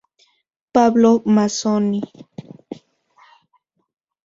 Pablo Mazzoni.